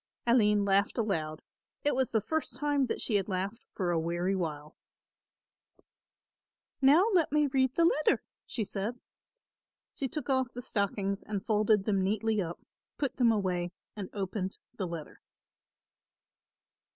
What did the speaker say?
Aline laughed aloud; it was the first time that she had laughed for a weary while. "Now let me read the letter," she said. She took off the stockings and folded them neatly up, put them away and opened the letter.